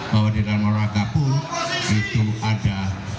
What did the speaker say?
bahwa di dalam olahraga pun itu ada